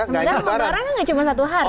maksudnya lebaran gak cuma satu hari